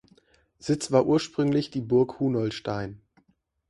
Sitz war ursprünglich die Burg Hunolstein.